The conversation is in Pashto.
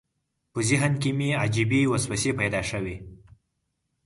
په ذهن کې مې عجیبې وسوسې پیدا شوې.